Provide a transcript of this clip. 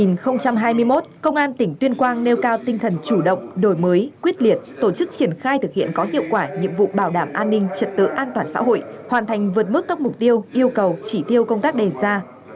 năm hai nghìn hai mươi một công an tỉnh tuyên quang nêu cao tinh thần chủ động đổi mới quyết liệt tổ chức triển khai thực hiện có hiệu quả nhiệm vụ bảo đảm an ninh trật tự an toàn xã hội hoàn thành vượt mức các mục tiêu yêu cầu chỉ tiêu công tác đề ra